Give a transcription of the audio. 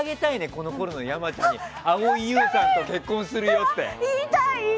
このころの山ちゃんに蒼井優さんと結婚するよって。